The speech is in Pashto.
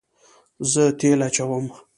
زه تیل اچوم